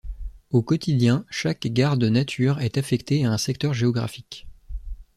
Au quotidien, chaque garde nature est affecté à un secteur géographique.